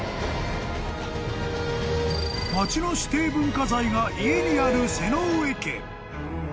［町の指定文化財が家にある瀬上家］